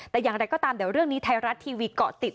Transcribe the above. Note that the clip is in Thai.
แต่อย่างไรก็ตามเดี๋ยวเรื่องนี้ไทยรัฐทีวีเกาะติด